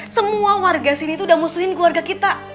semua warga sini tuh udah musuhin keluarga kita